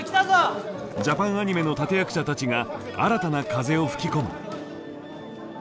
ジャパンアニメの立て役者たちが新たな風を吹き込む。